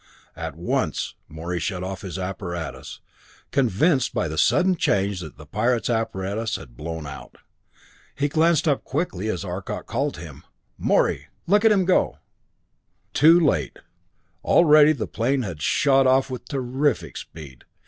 At once Morey shut off his apparatus, convinced by the sudden change that the pirate's apparatus had blown out. He glanced up quickly as Arcot called to him, "Morey look at him go!" Too late. Already the plane had shot off with terrific speed.